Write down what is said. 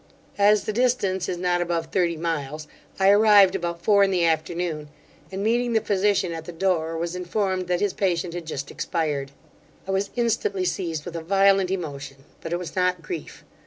As the distance is not above thirty miles, I arrived about four in the afternoon, and meeting the physician at the door, was informed that his patient had just expired. I was instantly seized with a violent emotion, but it was not grief.